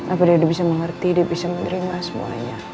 apa dia bisa mengerti dia bisa menerima semuanya